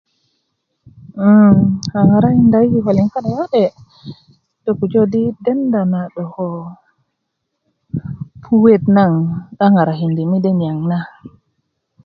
um a ŋarakinda yi kikolin ka'de ka'de do pujö di denda na 'dokoo puwet naŋ a ŋarakindi mede niyaŋ na